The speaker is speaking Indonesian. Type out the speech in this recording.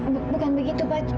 bukan begitu pak